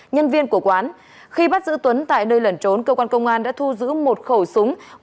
nhân viên của quán khi bắt giữ tuấn tại nơi lẩn trốn cơ quan công an đã thu giữ một khẩu súng